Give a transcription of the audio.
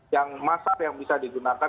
yang masal yang bisa digunakan